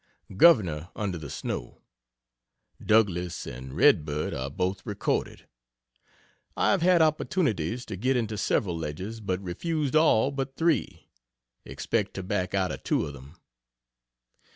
"Governor" under the snow. "Douglas" and "Red Bird" are both recorded. I have had opportunities to get into several ledges, but refused all but three expect to back out of two of them.